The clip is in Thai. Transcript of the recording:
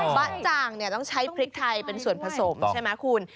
บ๊ะจ่างต้องใช้พริกไทยเป็นส่วนผสมใช่ไหมคุณ